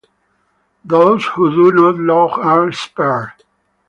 Those who do not laugh are spared.